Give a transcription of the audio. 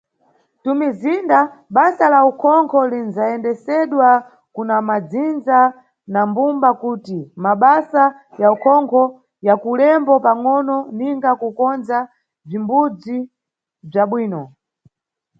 Nʼtumizinda, basa la ukhonkho lindzayendesedwa kuna madzindza na mbumba kuti mabasa ya ukhonkho yakulembo pangʼono ninga kukondza bzimbudzi bza bwino.